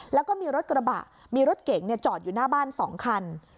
แล้วก็มีรถกระบะมีรถเก๋งจอดอยู่หน้าบ้าน๒คัน